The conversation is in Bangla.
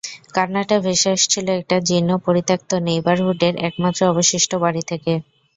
কান্নাটা ভেসে আসছিল একটি জীর্ণ পরিত্যক্ত নেইবারহুডের একমাত্র অবশিষ্ট বাড়ি থেকে।